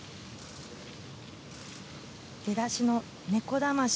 出だしの猫だまし。